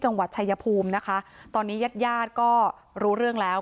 จังหวัดชายภูมินะคะตอนนี้ญาติญาติก็รู้เรื่องแล้ว